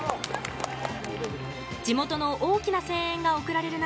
地元の大きな声援が送られる中